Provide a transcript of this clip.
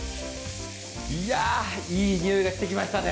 いやいい匂いがしてきましたね。